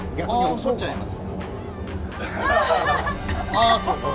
ああそうか。